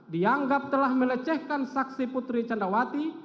dianggap telah melecehkan saksi putri candrawati